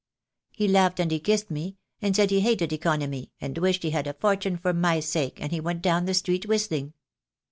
He laughed and kissed me, and said he hated economy, and wished he had a fortune for my sake, and he went down the street whistling.